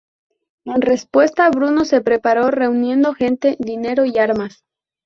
En respuesta, Bruno se preparó reuniendo gente, dinero y armas.